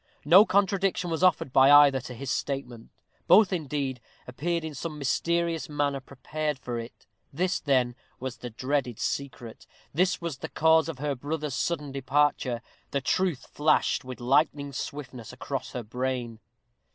No contradiction was offered by either to his statement; both, indeed, appeared in some mysterious manner prepared for it. This, then, was the dreaded secret. This was the cause of her brother's sudden departure. The truth flashed with lightning swiftness across her brain.